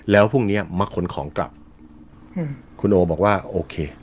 แล้วพรุ่งเนี้ยมาขนของกลับคุณโอบอกว่าโอเค